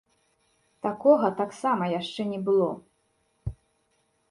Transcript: Такога таксама яшчэ не было.